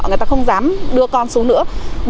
người ta không dám đưa con xuống nữa